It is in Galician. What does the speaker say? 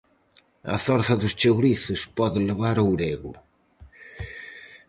A zorza dos chourizos pode levar ourego.